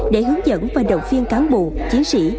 để hướng dẫn và động viên cán bộ chiến sĩ